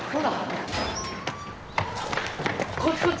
こっちこっち！